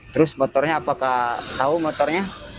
terus motornya apakah tahu motornya